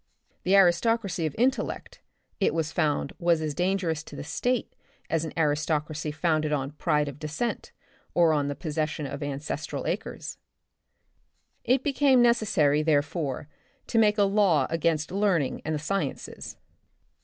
The aristocracy of intellect, it was found was as dangerous to the State as an aristocracy founded on pride of descent or on the possession of ancestral acres. It became necessary, therefore, to make a law against learning and the sciences.